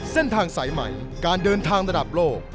เส้นทางสายใหม่การเดินทางระดับโลก